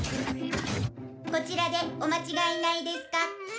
「こちらでお間違いないですか？」